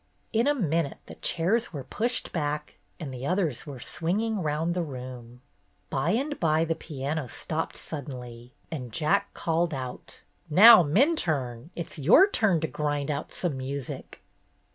In a minute the chairs were pushed back and the others were swinging round the room. By MINTURNE'S STORMY ROW 225 and by the piano stopped suddenly, and Jack called out: "Now, Minturne, it's your turn to grind out some music."